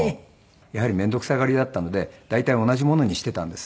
やはりめんどくさがりだったので大体同じものにしていたんです。